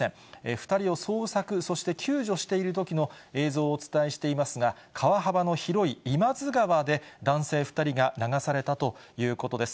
２人を捜索、そして救助しているときの映像をお伝えしていますが、川幅の広いいまづ川で、男性２人が流されたということです。